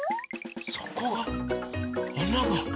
そこがあなが。